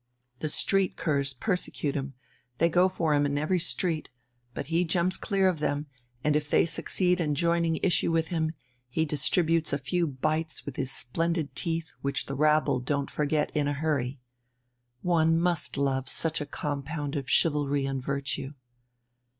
The street curs persecute him, they go for him in every street, but he jumps clear of them, and if they succeed in joining issue with him, he distributes a few bites with his splendid teeth which the rabble don't forget in a hurry. One must love such a compound of chivalry and virtue."